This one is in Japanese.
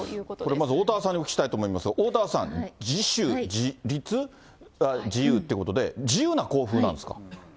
これまず、おおたわさんにお聞きしたいと思いますが、おおたわさん、自主、自律、自由ということで、自由な校風なんですか？